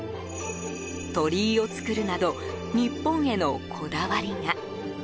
鳥居を造るなど日本へのこだわりが。